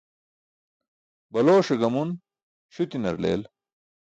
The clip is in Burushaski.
Balooṣe gamun śutinar leel.